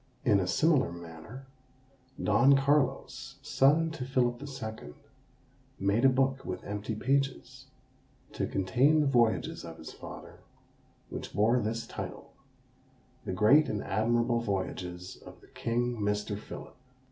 In a similar manner, Don Carlos, son to Philip the Second, made a book with empty pages, to contain the voyages of his father, which bore this title "The great and admirable Voyages of the King Mr. Philip."